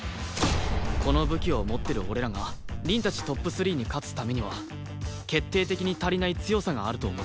この武器を持ってる俺らが凛たちＴＯＰ３に勝つためには決定的に足りない強さがあると思ったんだ。